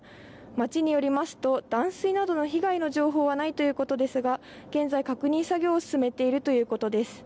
町によりますと断水などの被害の情報はないということですが現在、確認作業を進めているということです。